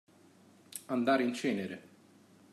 Andare in cenere.